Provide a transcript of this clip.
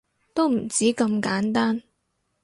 都唔止咁簡單